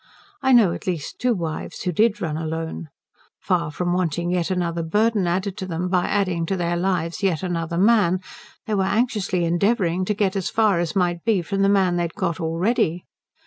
I know at least two wives who did run alone. Far from wanting yet another burden added to them by adding to their lives yet another man, they were anxiously endeavouring to get as far as might be from the man they had got already.